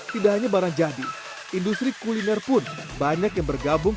tidak hanya barang jadi industri kuliner pun banyak yang bergabung